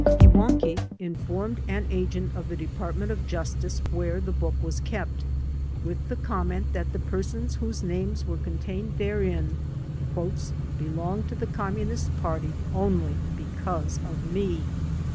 Iwankiw informed an agent of the Department of Jus tice where the book was kept with the comment that the persons whose names were contained therein "belong to the Communist Party only because of me."